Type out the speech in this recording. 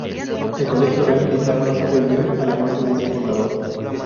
El Colegio Real Militar no sobrevive a la muerte de su fundador.